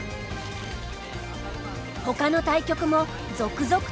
ほかの対局も続々と終局。